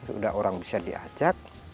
sudah orang bisa diajak